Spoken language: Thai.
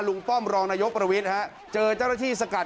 ป้อมรองนายกประวิทย์ฮะเจอเจ้าหน้าที่สกัด